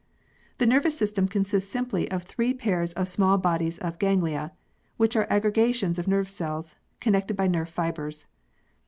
The nervous system consists simply of three pairs of small bodies or ganglia (which are aggregations of nerve cells) connected by nerve fibres.